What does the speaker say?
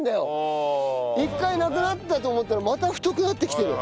１回なくなったと思ったらまた太くなってきてる。